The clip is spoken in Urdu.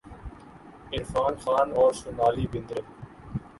عرفان خان اور سونالی بیندر ے